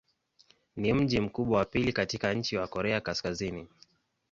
Ni mji mkubwa wa pili katika nchi wa Korea Kaskazini.